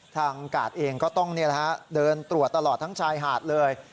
กาดเองก็ต้องเดินตรวจตลอดทั้งชายหาดเลย